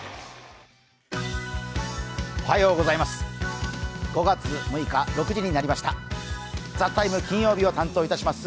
おはようございます。